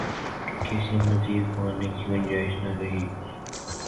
کسی مزید بہانے کی گنجائش نہ رہی۔